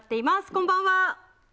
こんばんは。